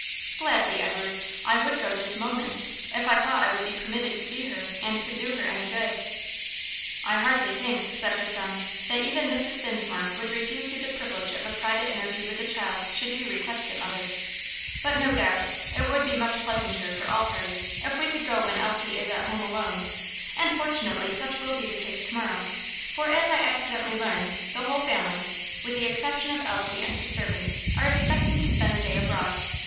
"Gladly, Edward! I would go this moment, if I thought I would be permitted to see her, and could do her any good." "I hardly think," said her son, "that even Mrs. Dinsmore would refuse you the privilege of a private interview with the child should you request it, mother; but, no doubt, it would be much pleasanter for all parties if we could go when Elsie is at home alone; and fortunately such will be the case to morrow, for, as I accidentally learned, the whole family, with the exception of Elsie and the servants, are expecting to spend the day abroad.